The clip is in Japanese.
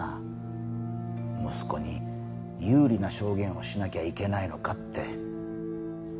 息子に有利な証言をしなきゃいけないのかって。